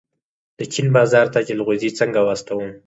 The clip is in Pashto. د چین بازار ته جلغوزي څنګه واستوم؟